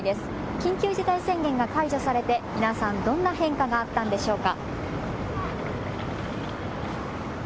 緊急事態宣言が解除されて、皆さん、どんな変化があったんでしょうか。